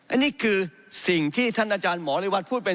อันนี้คือสิ่งที่ท่านอาจารย์หมอริวัตรพูดไป